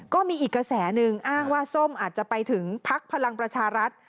ก็มีอีกกระแสหนึ่งอ้างว่าส้มอาจจะไปถึงพักพลังประชารัฐ